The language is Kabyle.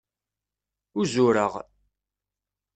Uzureɣ.